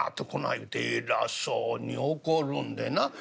言うて偉そうに怒るんでな『アホか。